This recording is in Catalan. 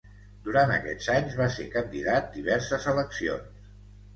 Durant aquests anys, va ser candidat diverses eleccions.